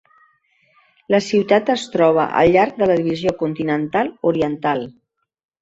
La ciutat es troba al llarg de la divisió continental oriental.